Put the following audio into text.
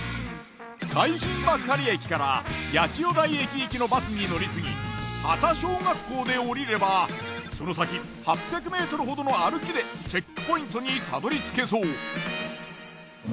海浜幕張駅から八千代台駅行きのバスに乗り継ぎ畑小学校で降りればその先８００ｍほどの歩きでチェックポイントにたどりつけそう。